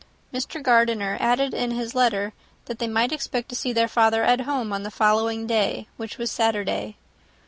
Mr. Gardiner added, in his letter, that they might expect to see their father at home on the following day, which was Saturday.